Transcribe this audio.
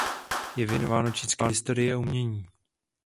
Je věnováno čínské historii a umění.